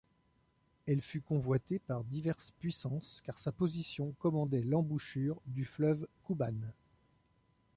Elle fut convoitée par diverses puissances car sa position commandait l'embouchure du fleuve Kouban.